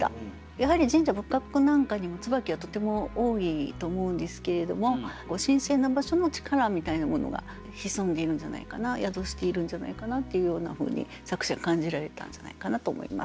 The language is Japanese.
やはり神社仏閣なんかにも椿はとても多いと思うんですけれども神聖な場所の力みたいなものが潜んでいるんじゃないかな宿しているんじゃないかなっていうようなふうに作者感じられたんじゃないかなと思います。